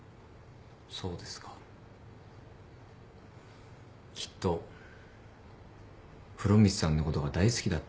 そうですか。きっと風呂光さんのことが大好きだったんですね。